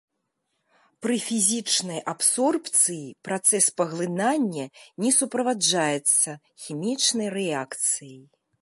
Пры фізічнай абсорбцыі працэс паглынання не суправаджаецца хімічнай рэакцыяй.